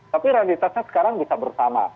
tapi realitasnya sekarang bisa bersama